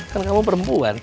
kan kamu perempuan